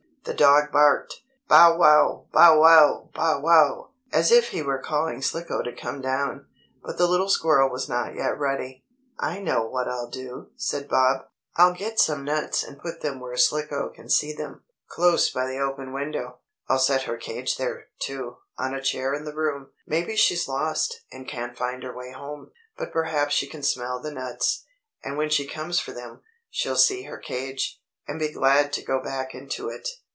The dog barked: "Bow wow! Bow wow! Bow wow!" as if he were calling Slicko to come down. But the little squirrel was not yet ready. "I know what I'll do," said Bob. "I'll get some nuts and put them where Slicko can see them, close by the open window. I'll set her cage there, too, on a chair in the room. Maybe she's lost, and can't find her way home. But perhaps she can smell the nuts, and when she comes for them, she'll see her cage, and be glad to go back into it."